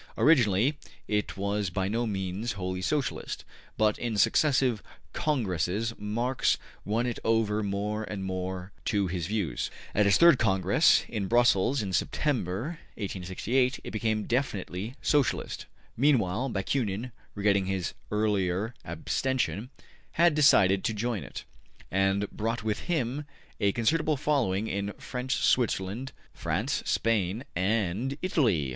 Originally it was by no means wholly Socialist, but in successive Congresses Marx won it over more and more to his views. At its third Congress, in Brussels in September, 1868, it became definitely Socialist. Meanwhile Bakunin, regretting his earlier abstention, had decided to join it, and he brought with him a considerable following in French Switzerland, France, Spain and Italy.